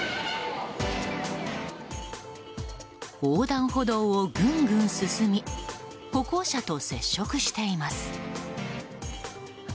横断歩道をぐんぐん進み歩行者と接触しています。